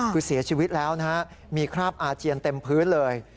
คือเสียชีวิตแล้วนะฮะมีคราบอาเจียนเต็มพื้นเลย